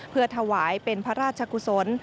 เพื่อถวายเป็นพระราชกุศล